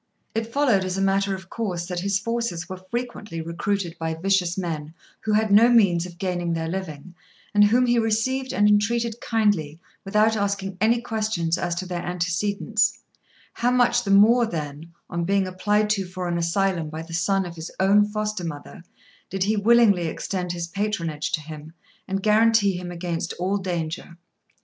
It followed, as a matter of course, that his forces were frequently recruited by vicious men, who had no means of gaining their living, and whom he received and entreated kindly without asking any questions as to their antecedents; how much the more then, on being applied to for an asylum by the son of his own foster mother, did he willingly extend his patronage to him, and guarantee him against all danger.